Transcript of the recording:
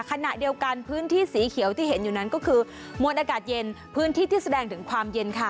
ขณะเดียวกันพื้นที่สีเขียวที่เห็นอยู่นั้นก็คือมวลอากาศเย็นพื้นที่ที่แสดงถึงความเย็นค่ะ